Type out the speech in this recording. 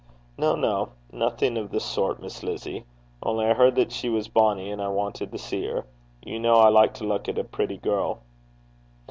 'No, no. Nothing of the sort, Miss Lizzie. Only I heard that she was bonnie, and I wanted to see her. You know I like to look at a pretty girl.'